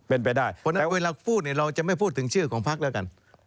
เพราะฉะนั้นเวลาพูดเราจะไม่พูดถึงชื่อของภักดิ์แล้วกัน